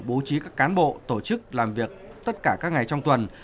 bố trí các cán bộ tổ chức làm việc tất cả các ngày trong tuần